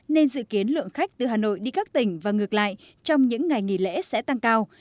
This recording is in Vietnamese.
nên dự kiến lượng khách từ hà nội đi các tỉnh và ngược lại trong những ngày nghỉ lễ sẽ tăng cao